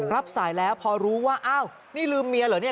รับสายแล้วพอรู้ว่าอ้าวนี่ลืมเมียเหรอเนี่ย